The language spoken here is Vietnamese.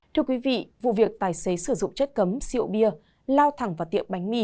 thưa quý vị vụ việc tài xế sử dụng chất cấm rượu bia lao thẳng vào tiệm bánh mì